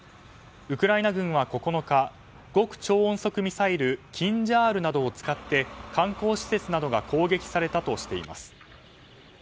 ウクライナ軍は９日極超音速ミサイルキンジャールなどを使って、観光施設などが攻撃されたとしています。